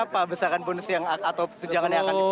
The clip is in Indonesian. berapa besaran bonus yang atau sejalan yang akan diberikan